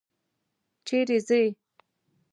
چېرې ځې؟